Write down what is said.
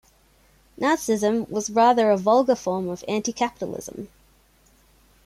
Nazism was rather a vulgar form of anti-capitalism.